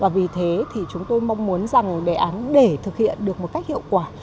vì thế chúng tôi mong muốn đề án để thực hiện được một cách hiệu quả